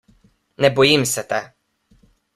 Ne bojim se te.